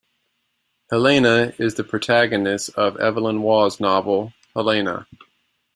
Helena is the protagonist of Evelyn Waugh's novel "Helena".